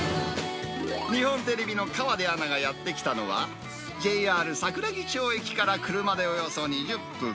日本テレビの河出アナがやって来たのは、ＪＲ桜木町駅から車でおよそ２０分。